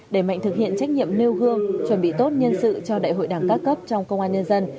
để mạnh thực hiện trách nhiệm nêu gương chuẩn bị tốt nhân sự cho đại hội đảng các cấp trong công an nhân dân